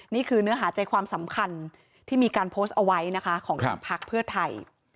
นี่คือเนื้อหาใจความสำคัญที่มีการโพสต์เอาไว้นะคะของทางพักเพื่อไทย